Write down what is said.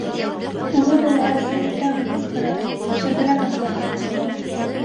Ул арала әсәһе тағы ҡысҡыра: - Шәберәк атла, суҡынған.